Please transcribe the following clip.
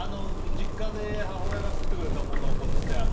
実家で母親が作ってくれたものをこっちで。